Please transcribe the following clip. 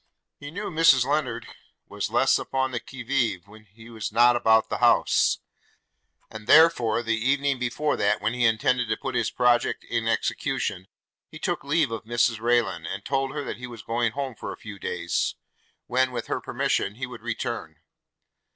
He knew Mrs Lennard was less upon the qui vive? when he was not about the house; and therefore, the evening before that when he intended to put his project in execution, he took leave of Mrs Rayland, and told her that he was going home for a few days, when with her permission he would return.